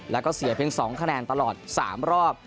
แล้วก็เสียเป็น๒คะแนนตลอด๓รอบ